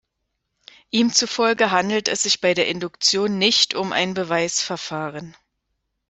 Ihm zufolge handelt es sich bei der Induktion nicht um ein Beweisverfahren.